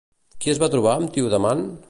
Qui es va trobar amb Tiodamant?